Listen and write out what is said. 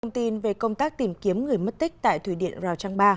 công tin về công tác tìm kiếm người mất tích tại thủy điện rào trăng ba